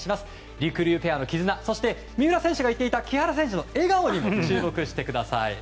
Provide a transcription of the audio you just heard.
りくりゅうペアの絆そして、三浦選手が言っていた木原選手の笑顔にも注目してください。